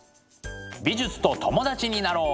美術と友達になろう！